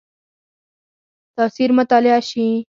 تاثیر مطالعه شي.